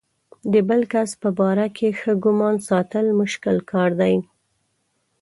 د بل کس په باره کې ښه ګمان ساتل مشکل کار دی.